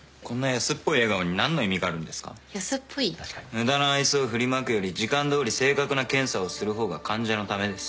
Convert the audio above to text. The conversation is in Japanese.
無駄な愛想を振りまくより時間どおり正確な検査をする方が患者のためです